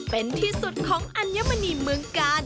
เป็นที่สุดของอัญมณีเมืองกาล